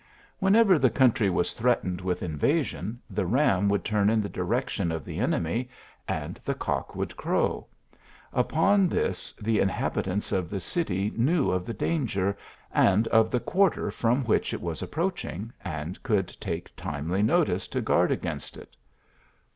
Whenever the country was threatened with invasion, ihe ram would turn in the direction of the enemy and the cock would crow ; upon this the inhabitants of the city knew of the danger, and of the quarter from which it was approaching, and could take timely notice to guard against it."